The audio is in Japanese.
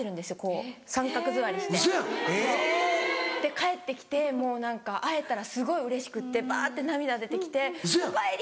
帰って来てもう何か会えたらすごいうれしくってバって涙出て来て「おかえり！」